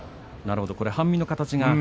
半身の形が。